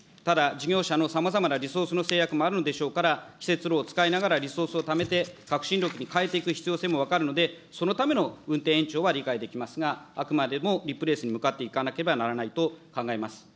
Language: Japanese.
ただ事業者のさまざまなリソースの制約もあるのでしょうから、既設炉を使いながらリソースをためて、革新炉に変えていく必要性も分かるので、そのための運転延長は理解できますが、あくまでもリプレースに向かっていかなければならないと考えます。